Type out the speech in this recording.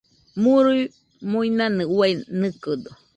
Murui-muinanɨ uai nɨkɨdo.